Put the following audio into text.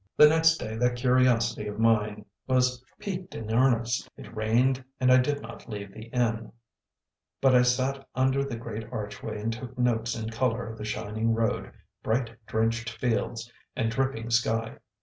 The next day that curiosity of mine was piqued in earnest. It rained and I did not leave the inn, but sat under the great archway and took notes in colour of the shining road, bright drenched fields, and dripping sky.